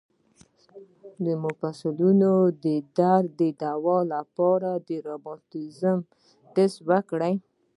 د مفصلونو د درد د دوام لپاره د روماتیزم ټسټ وکړئ